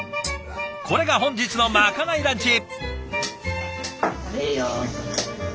これが本日のまかないランチ。